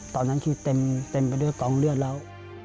ตอนนั้นคือเต็มไปด้วยกองเลือดแล้ว